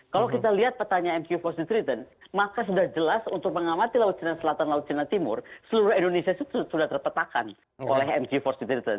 kalau kita lihat petanya mq empat seat return maka sudah jelas untuk mengamati laut cina selatan laut cina timur seluruh indonesia sudah terpetakan oleh mq empat seat return